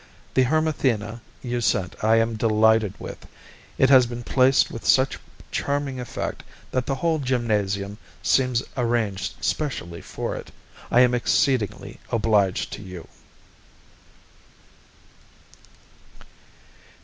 The Hermathena you sent I am delighted with: it has been placed with such charming effect that the whole gymnasium seems arranged specially for it. I am exceedingly obliged to you.